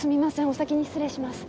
お先に失礼します。